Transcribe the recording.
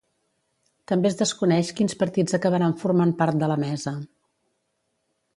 També es desconeix quins partits acabaran formant part de la mesa.